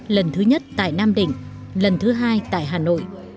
lần thứ nhất tại nam định lần thứ hai tại hà nội